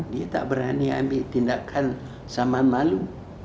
dia tidak berani mengambil tindakan saman malu